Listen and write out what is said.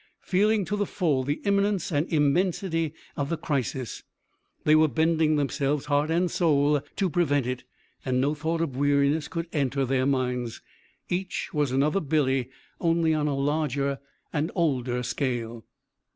Feeling to the full the imminence and immensity of the crisis, they were bending themselves heart and soul to prevent it, and no thought of weariness could enter their minds. Each was another Billy, only on a larger and older scale.